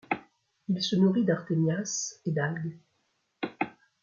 Il se nourrit d'artémias et d'algues.